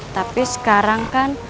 tapi sekarang kan